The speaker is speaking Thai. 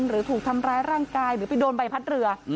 หรือถูกทำร้ายร่างกายหรือไปโดนใบพัดเรือ